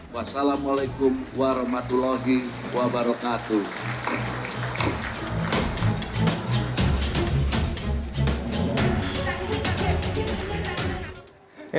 wassalamualaikum warahmatullahi wabarakatuh